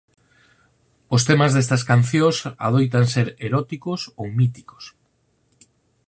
Os temas destas cancións adoitan ser eróticos ou míticos.